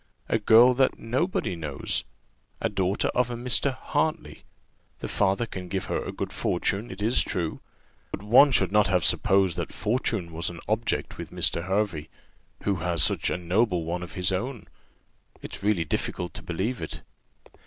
a girl that nobody knows a daughter of a Mr. Hartley. The father can give her a good fortune, it is true; but one should not have supposed that fortune was an object with Mr. Hervey, who has such a noble one of his own. It's really difficult to believe it."